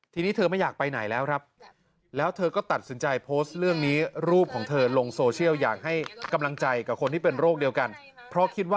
ทีนี้เธอไม่อยากไปไหนแล้วครับ